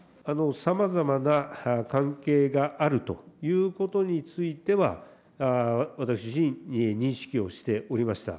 さまざまな関係があるということについては、私自身、認識をしておりました。